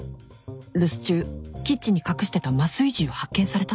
留守中キッチンに隠してた麻酔銃を発見された？